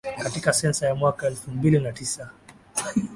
katika sensa ya mwaka elfu mbili na tisa